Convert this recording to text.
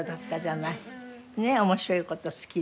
ねえ面白い事好きで。